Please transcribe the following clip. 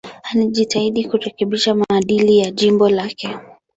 Alijitahidi kurekebisha maadili ya jimbo lake.